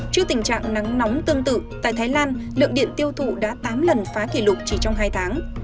trước tình trạng nắng nóng tương tự tại thái lan lượng điện tiêu thụ đã tám lần phá kỷ lục chỉ trong hai tháng